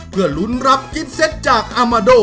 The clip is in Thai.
เพื่อลุ้นรับกิฟเซตจากอามาโด